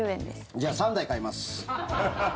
じゃあ３台買います。